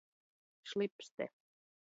Šlipste.